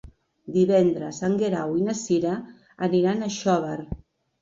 Divendres en Guerau i na Cira aniran a Xóvar.